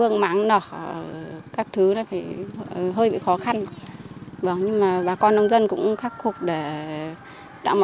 người giá trung giá bóng vô nam